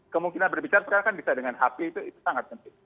kemungkinan berbicara sekarang kan bisa dengan hp itu sangat penting